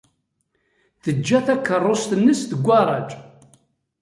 Teǧǧa takeṛṛust-nnes deg ugaṛaj.